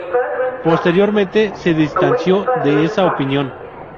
Posteriormente se distanció de esa opinión.